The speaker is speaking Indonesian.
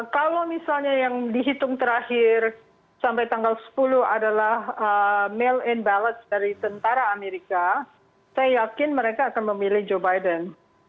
kalau misalnya yang dihitung terakhir sampai tanggal sepuluh adalah mail and ballot dari tentara amerika saya yakin mereka akan memilih joe biden